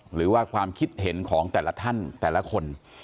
หรือว่าความคิดเห็นของแต่ละท่านแต่ละคน